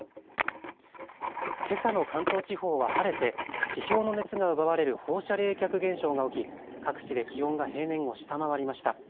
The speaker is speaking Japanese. けさの関東地方は晴れて地表の熱が奪われる放射冷却現象が起き各地で気温が平年を下回りました。